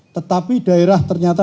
tetapi daerah ternyata